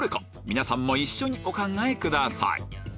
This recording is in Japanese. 皆さんも一緒にお考えください